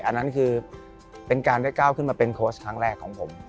อันนั้นคือเป็นการได้ก้าวขึ้นมาเป็นโค้ชครั้งแรกของผม